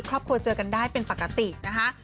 ครอบครัวเจอกันได้เป็นภาคตินะคะ